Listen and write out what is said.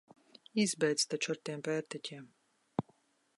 Izbeidz taču ar tiem pērtiķiem!